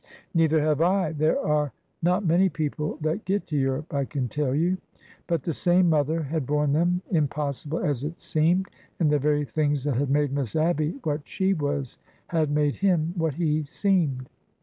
Neither have I. There are not many people that get to Europe, I can tell you." But the same mother had borne them, impossible as it seemed. And the very things that had made Miss Abby what she was had made him what he seemed.